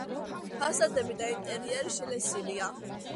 ფასადები და ინტერიერი შელესილია.